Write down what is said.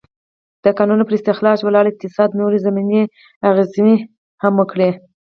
د کانونو پر استخراج ولاړ اقتصاد نورې ضمني اغېزې هم وکړې.